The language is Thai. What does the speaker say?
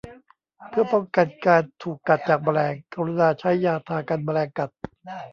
เพื่อป้องกันการถูกกัดจากแมลง กรุณาใช้ยาทากันแมลงกัด